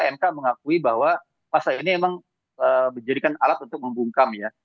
mk mengakui bahwa pasal ini memang dijadikan alat untuk membungkam ya